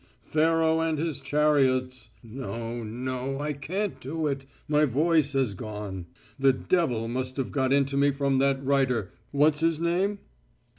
Pharaoh and his chariots.... No, no, I can't do it, my voice has gone. The devil must have got into me from that writer, what's his name?..."